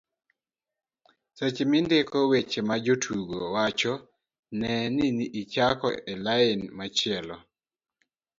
seche mindiko weche ma jotugo wacho, ne ni ichako e lain machielo